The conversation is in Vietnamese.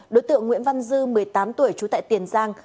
đối tượng nguyễn văn dư một mươi tám tuổi trú tại tiền giang